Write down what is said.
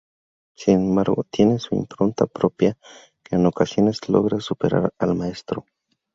Sin embargo, tiene su impronta propia que en ocasiones logra superar al maestro.